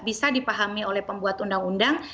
bisa dipahami oleh pembuat undang undang